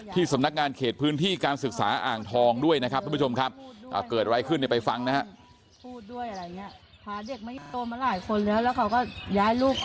สำนักงานเขตพื้นที่การศึกษาอ่างทองด้วยนะครับทุกผู้ชมครับเกิดอะไรขึ้นไปฟังนะครับ